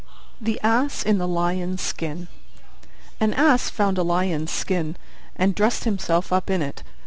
THE ASS IN THE LION'S SKIN An Ass found a Lion's Skin, and dressed himself up in it.